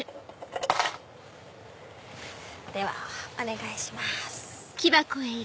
ではお願いします。